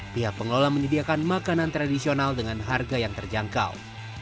pihak pengelola menyediakan makanan tradisional dengan harga yang terjangkau